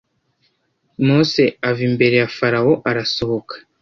Mose ava imbere ya Farawo arasohoka